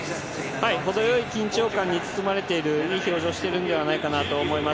ほどよい緊張感に包まれている良い表情してるんじゃないかなと思います。